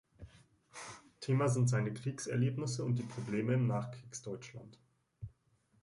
Thema sind seine Kriegserlebnisse und die Probleme im Nachkriegsdeutschland.